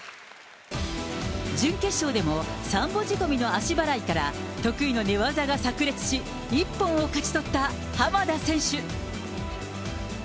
準決勝でもサンボ仕込みの足払いから、得意の寝技がさく裂し、一本を勝ち取った浜田選手。